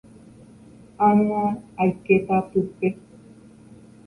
Ág̃a aikéta pype.